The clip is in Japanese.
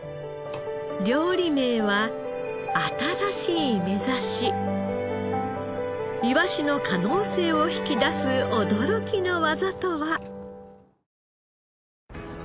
料理名はいわしの可能性を引き出す驚きの技とは？